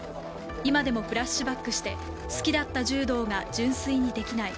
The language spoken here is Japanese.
今でもフラッシュバックして好きだった柔道が純粋にできない。